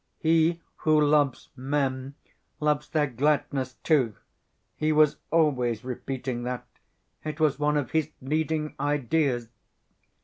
'He who loves men loves their gladness, too' ... He was always repeating that, it was one of his leading ideas....